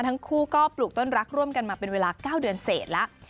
ทั้งคู่ก็ปลูกต้นรักร่วมกันมาเป็นเวลา๙เดือนเสร็จแล้ว